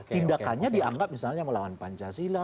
tindakannya dianggap misalnya melawan pancasila